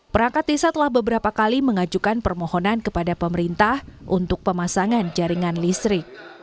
perangkat desa telah beberapa kali mengajukan permohonan kepada pemerintah untuk pemasangan jaringan listrik